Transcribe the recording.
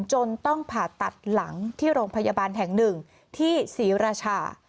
จนต้องผ่าตัดหลังที่โรงพยาบาลแห่งหนึ่งที่ศรีราชา